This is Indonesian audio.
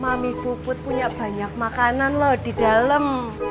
mami puput punya banyak makanan loh di dalam